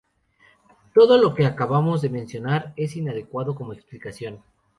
Todo lo que acabamos de mencionar es inadecuado como explicación.